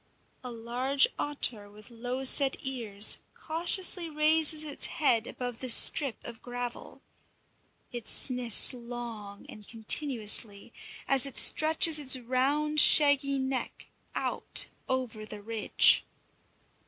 A large otter with low set ears cautiously raises its head above the strip of gravel. It sniffs long and continuously, as it stretches its round, shaggy neck out over the ridge.